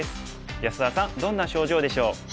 安田さんどんな症状でしょう？